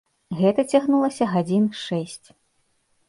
Гэта цягнулася гадзін шэсць.